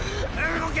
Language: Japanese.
動け！